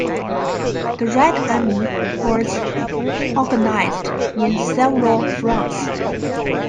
The Red Army was organised in several fronts.